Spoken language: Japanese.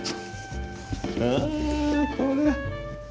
あこれ。